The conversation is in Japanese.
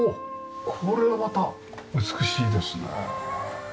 これはまた美しいですね。